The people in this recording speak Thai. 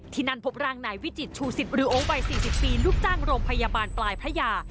ที่นั่นพบร่างนายวิจิตชูสิตหรือโอวัย๔๐ปีลูกจ้างโรงพยาบาลปลายพระยา